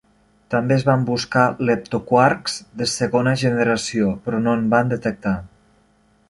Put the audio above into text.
També es van buscar leptoquarks de segona generació, però no en van detectar.